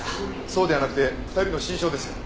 そうではなくて２人の心証ですよ。